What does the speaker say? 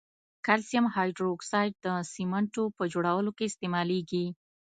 کلسیم هایدروکساید د سمنټو په جوړولو کې استعمالیږي.